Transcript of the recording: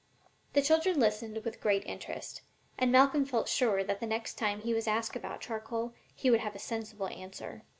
The children listened with great interest, and Malcolm felt sure that the next time he was asked about charcoal he would have a sensible answer.